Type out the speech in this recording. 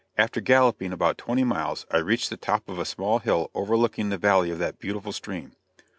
After galloping about twenty miles I reached the top of a small hill overlooking the valley of that beautiful stream.